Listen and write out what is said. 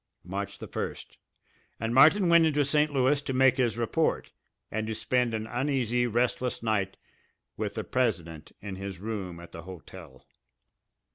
March the first and Martin went into St. Louis to make his report, and to spend an uneasy, restless night with the president in his room at the hotel.